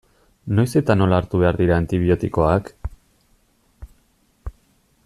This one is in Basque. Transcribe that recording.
Noiz eta nola hartu behar dira antibiotikoak?